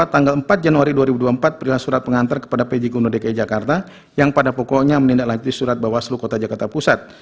dua ribu dua puluh empat tanggal empat januari dua ribu dua puluh empat perihal surat pengantar kepada pjk dki jakarta yang pada pokoknya menindaklanjuti surat bawaslu kota jakarta pusat